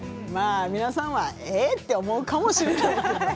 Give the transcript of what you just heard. まあ、皆さんはえっ？と思うかもしれない。